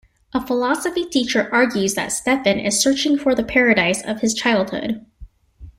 A philosophy teacher argues that Stefan is searching for the paradise of his childhood.